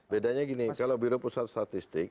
bedanya gini kalau biro pusat statistik